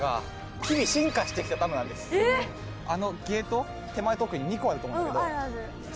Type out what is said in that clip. あのゲート手前と奥に２個あると思うんだけど。